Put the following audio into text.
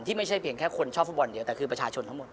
ไม่ใช่เพียงแค่คนชอบฟุตบอลเดียวแต่คือประชาชนทั้งหมด